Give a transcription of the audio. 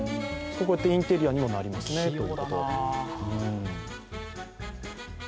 こうやってインテリアにもなりますと。